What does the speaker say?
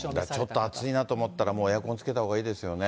ちょっと暑いなと思ったら、もうエアコンつけたほうがいいですよね。